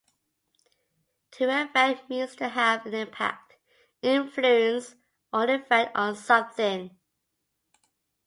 To affect means to have an impact, influence, or effect on something.